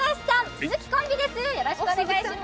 鈴木コンビです。